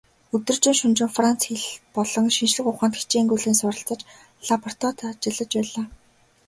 Өдөржин шөнөжин Франц хэл болон шинжлэх ухаанд хичээнгүйлэн суралцаж, лабораторид ажиллаж байлаа.